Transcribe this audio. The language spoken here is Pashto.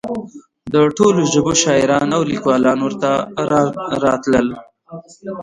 د ټولو ژبو شاعران او لیکوال ورته راتلل.